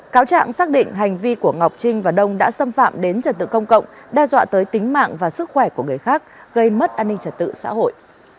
cáo trạng xác định hành vi của ngọc trinh và đông đã xâm phạm đến trật tự công cộng đe dọa tới tính mạng và sức khỏe của người khác gây mất an ninh trật tự xã hội